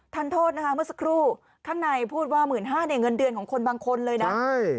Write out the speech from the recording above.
ท่านโทษนะคะเมื่อสักครู่ข้างในพูดว่า๑๕๐๐เนี่ยเงินเดือนของคนบางคนเลยนะ